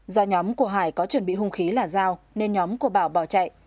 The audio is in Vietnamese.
do nhóm của hải có chuẩn bị hung khí là dao nên nhóm của bảo chạy